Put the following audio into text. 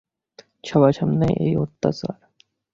সবার সামনে এই অত্যাচার।